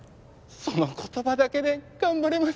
その言葉だけで頑張れます。